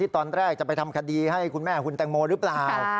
ตอนแรกจะไปช่วยทำคดีในคุณแม่หุ่นตังโมหรือเปล่า